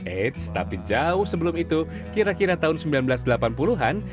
eits tapi jauh sebelum itu kira kira tahun seribu sembilan ratus delapan puluh an